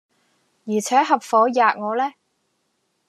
而且合夥喫我呢？